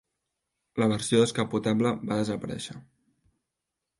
La versió descapotable va desaparèixer.